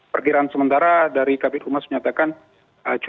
perkiraan sementara dari kabupaten rumah menyatakan cuaca ini tidak begitu bagus